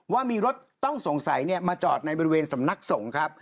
ว่ามีรถต้องสงสัยมาจอดในบริเวณสำนักสงฆ์ครับ